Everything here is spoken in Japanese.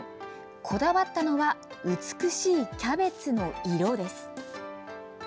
こだわったのは美しいキャベツ色です。